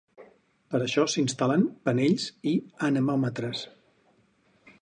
Per a això s'instal·len penells i anemòmetres.